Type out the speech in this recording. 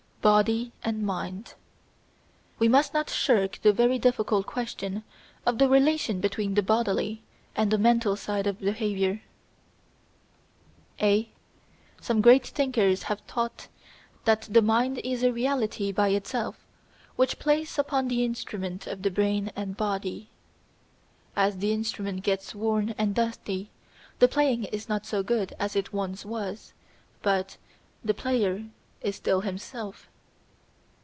Body and Mind We must not shirk the very difficult question of the relation between the bodily and the mental side of behaviour. (a) Some great thinkers have taught that the mind is a reality by itself which plays upon the instrument of the brain and body. As the instrument gets worn and dusty the playing is not so good as it once was, but the player is still himself.